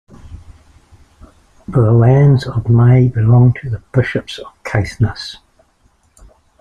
The lands of Mey belonged to the Bishops of Caithness.